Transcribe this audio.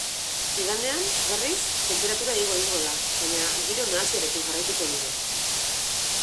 Igandean, berriz, tenperatura igo egingo da baina giro nahasiarekin jarraituko dugu.